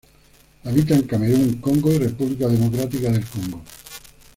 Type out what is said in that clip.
Habita en Camerún, Congo y República Democrática del Congo.